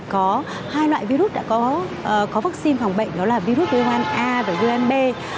có hai loại virus đã có vaccine phòng bệnh đó là virus v một a và v một b